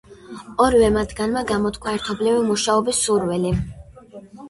ორივე მათგანმა გამოთქვა ერთობლივი მუშაობის სურვილი.